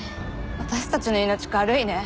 私たちの命軽いね。